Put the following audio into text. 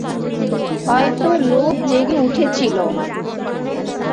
হয়তো লোভ জেগে উঠেছিল।